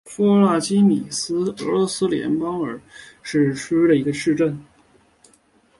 弗拉基米尔市镇是俄罗斯联邦伊尔库茨克州扎拉里区所属的一个市镇。